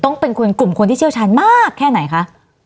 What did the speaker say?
ต้องเป็นคนกลุ่มคนที่เชี่ยวชาญมากแค่ไหนคะ